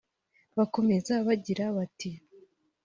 bakomeza bagira bati